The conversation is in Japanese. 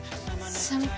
先輩。